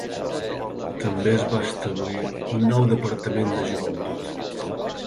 També es va establir un nou departament de joventut.